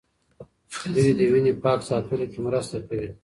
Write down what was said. دوی د وینې پاک ساتلو کې مرسته کوي.